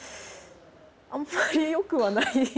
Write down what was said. あんまりよくはない。